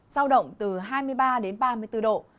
giao động từ hai mươi ba đến ba mươi bốn độ